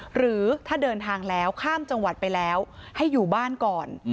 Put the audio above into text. หรือถ้าเดินทางแล้วข้ามจังหวัดไปแล้วให้อยู่บ้านก่อน